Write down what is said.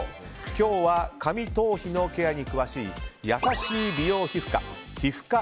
今日は髪、頭皮のケアに詳しいやさしい美容皮膚科・皮フ科